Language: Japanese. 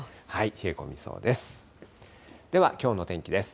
冷え込みそうです。